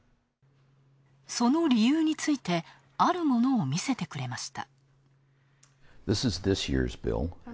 その理由について、あるものを見せてくれました。